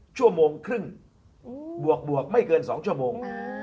ชั่วโมงครึ่งบวกไม่เกิน๒ชั่วโมง